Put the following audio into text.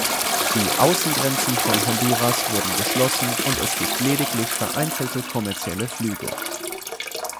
Die Außengrenzen von Honduras wurden geschlossen und es gibt lediglich vereinzelte kommerzielle Flüge.